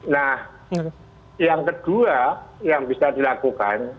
nah yang kedua yang bisa dilakukan